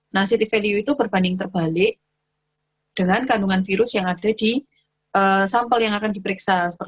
nah city value itu berbanding terbalik dengan kandungan virus yang ada di sampel yang akan diperiksa